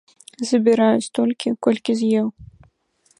Забіраю столькі, колькі з'еў.